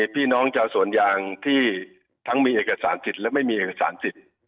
พี่น้องชาวสวนยางที่ทั้งมีเอกสารสิทธิ์และไม่มีเอกสารสิทธิ์